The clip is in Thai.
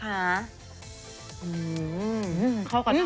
เคราะห์ก่อน